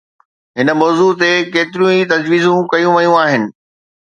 هن موضوع تي ڪيتريون ئي تجويزون ڪيون ويون آهن.